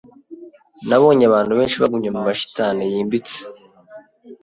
Nabonye abantu benshi bagumye mumashitani yimbitse